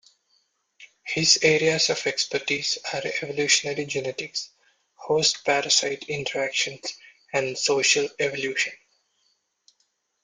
His areas of expertise are evolutionary genetics, host-parasite interactions and social evolution.